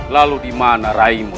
lalu dimana rai raim musti